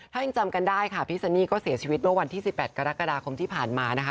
ถ้ายังจำกันได้ค่ะพี่ซันนี่ก็เสียชีวิตเมื่อวันที่๑๘กรกฎาคมที่ผ่านมานะคะ